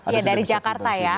ya dari jakarta ya